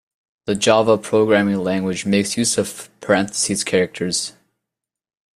The Java programming language makes use of parentheses characters.